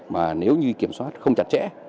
mà nếu như kiểm soát không chặt chẽ